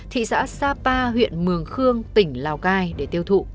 thị xã sapa huyện mường khương tỉnh lào cai để tiêu thụ